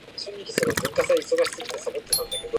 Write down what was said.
ことに肥ったお方や若いお方は、大歓迎いたします